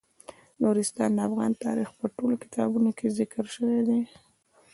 نورستان د افغان تاریخ په ټولو کتابونو کې ذکر شوی دی.